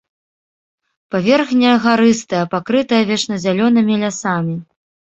Паверхня гарыстая, пакрытая вечназялёнымі лясамі.